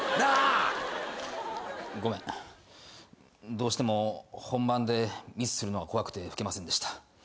どうしても本番でミスするのが怖くて吹けませんでした。